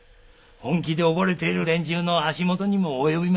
本気で溺れてる連中の足元にも及びませんよ。